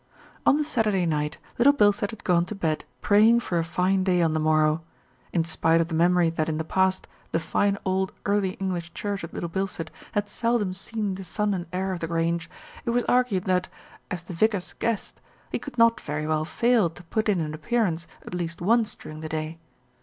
On the Saturday night Little Bilstead had gone to bed praying for a fine day on the morrow. In spite of the memory that in the past the fine old Early 166 THE RETURN OF ALFRED English church at Little Bilstead had seldom seen the son and heir of The Grange, it was argued that, as the vicar's guest, he could not very well fail to put in an appearance at least once during the day.